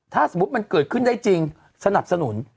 ถ้าสมมุติมันเกิดขึ้นได้จริงสนับสนุน